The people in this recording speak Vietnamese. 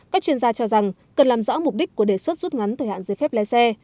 các chuyên gia cho rằng cần làm rõ mục đích của đề xuất rút ngắn thời hạn giấy phép lái xe